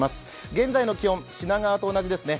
現在の気温、品川と同じですね。